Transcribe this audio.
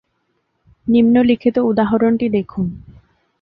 নিম্নলিখিত উদাহরণটি দেখুন।